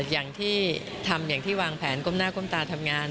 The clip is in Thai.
อย่างที่วางแผนก้มหน้าก้มตาทำงาน